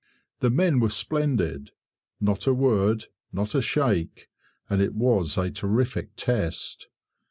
The men were splendid; not a word; not a shake, and it was a terrific test.